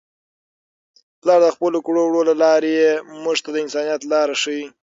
پلار د خپلو کړو وړو له لارې موږ ته د انسانیت لار ښيي.